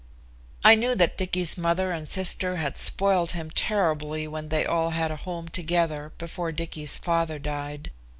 I knew that Dicky's mother and sister had spoiled him terribly when they all had a home together before Dicky's father died.